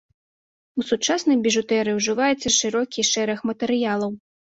У сучаснай біжутэрыі ўжываецца шырокі шэраг матэрыялаў.